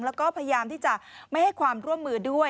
แล้วก็พยายามที่จะไม่ให้ความร่วมมือด้วย